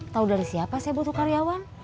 tahu dari siapa saya butuh karyawan